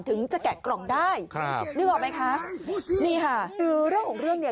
ถึงจะแกะกล่องได้ครับนึกออกไหมคะนี่ค่ะคือเรื่องของเรื่องเนี่ย